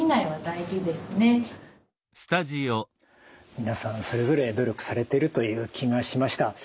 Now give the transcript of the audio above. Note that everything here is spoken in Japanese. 皆さんそれぞれ努力されてるという気がしました。